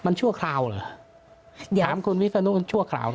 มันชั่วคราวเหรออยากถามคุณวิศนุชั่วคราว